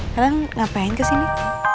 kalian ngapain kesini